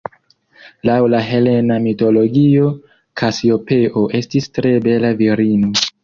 Laŭ la helena mitologio Kasiopeo estis tre bela virino.